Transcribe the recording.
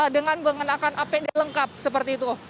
dengan mengenakan apd lengkap seperti itu